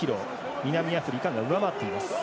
南アフリカが上回っています。